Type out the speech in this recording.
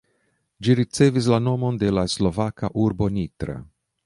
Ĝi ricevis la nomon de la slovaka urbo Nitra.